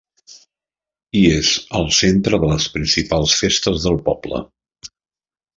I és el centre de les principals festes del poble: